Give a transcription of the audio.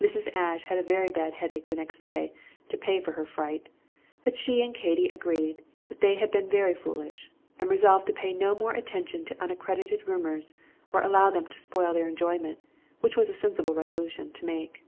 Mrs. Ashe had a very bad headache next day, to pay for her fright; but she and Katy agreed that they had been very foolish, and resolved to pay no more attention to unaccredited rumors or allow them to spoil their enjoyment, which was a sensible resolution to make.